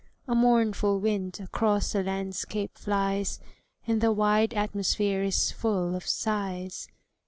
A mournful wind across the landscape flies, And the wide atmosphere is full of sighs.